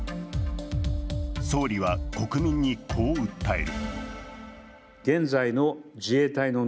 総理は国民にこう訴える。